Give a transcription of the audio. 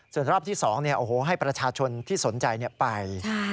ส่วนรอบที่๒ให้ประชาชนที่สนใจไป